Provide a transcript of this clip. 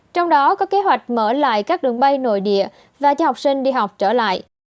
trong đó có kế hoạch mở lại các đường bay nội địa và cho học sinh đi học trở lại